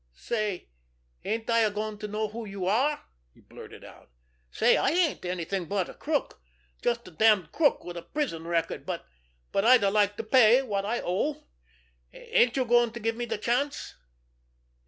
"Say, ain't I going to know who you are?" he blurted out. "Say, I ain't anything but a crook, just a damned crook with a prison record, but—but I'd like to pay what I owe. Ain't you going to give me the chance?"